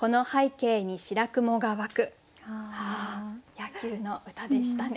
野球の歌でしたね。